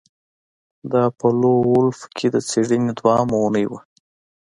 دا په لون وولف کې د څیړنې دویمه اونۍ وه